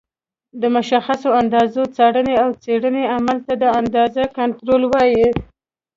د مشخصو اندازو څارنې او څېړنې عمل ته د اندازې کنټرول وایي.